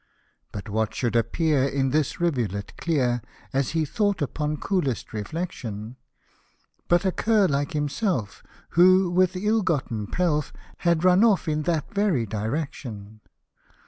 But what should appear, in this rivulet clear, As he thought upon coolest reflection, 70 But a cur like himself, who with ill gotten pelf, Had run off in that very direction.